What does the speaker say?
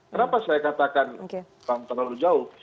kenapa saya katakan terlalu jauh